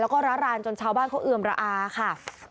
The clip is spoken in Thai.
แล้วก็ระรานจนชาวบ้านเขาเอือมระอาค่ะ